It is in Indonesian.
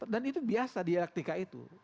dan itu biasa di elektrika itu